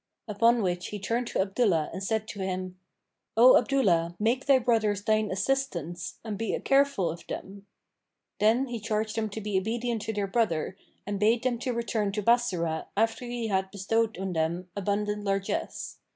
Upon which he turned to Abdullah and said to him, "O Abdullah, make thy brothers thine assistants and be careful of them." Then he charged them to be obedient to their brother and bade them return to Bassorah after he had bestowed on them abundant largesse.